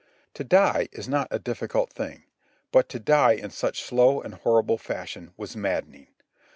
To die is not a difficult thing, but to die in such slow and horrible fashion was maddening.